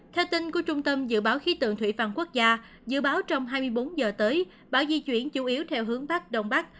theo tin của trung tâm dự báo khí tượng thủy văn quốc gia dự báo trong hai mươi bốn giờ tới bão di chuyển chủ yếu theo hướng bắc đông bắc